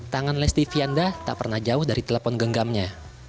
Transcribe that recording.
tangan lesti vianda tak pernah jauh dari telepon genggamnya